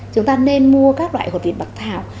chúng ta nên mua các loại hột vị bắc thảo